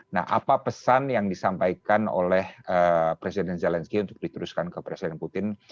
nah apa pesan yang disampaikan oleh presiden zelensky untuk diteruskan ke presiden putin